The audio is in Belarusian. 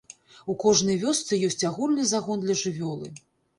У кожнай вёсцы ёсць агульны загон для жывёлы.